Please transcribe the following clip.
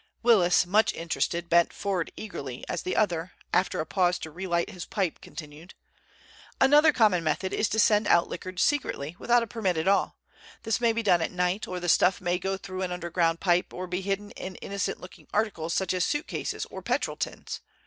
Willis, much interested, bent forward eagerly as the other, after a pause to relight his pipe, continued: "Another common method is to send out liquor secretly, without a permit at all. This may be done at night, or the stuff may go through an underground pipe, or be hidden in innocent looking articles such as suitcases or petrol tins.